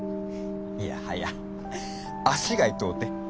いやはや足が痛うて。